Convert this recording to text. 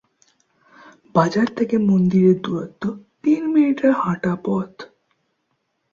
বাজার থেকে মন্দিরের দূরত্ব তিন মিনিটের হাঁটা পথ।